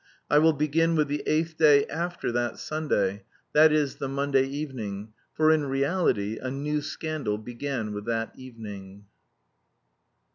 I will begin with the eighth day after that Sunday, that is, the Monday evening for in reality a "new scandal" began with that evening.